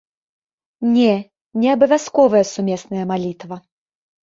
Не, не абавязковая сумесная малітва.